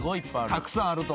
たくさんあると思う。